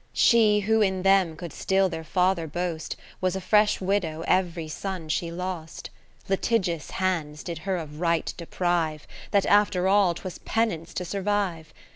She, who in them could still their father boast, Was a fresh widow every son she lost. Litigious hands did her of right deprive, 6 1 That after all 'twas penance to survive.